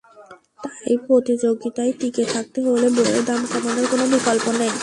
তাই প্রতিযোগিতায় টিকে থাকতে হলে বইয়ের দাম কমানোর কোনো বিকল্প নেই।